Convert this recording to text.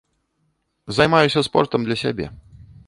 Займаюся спортам для сябе.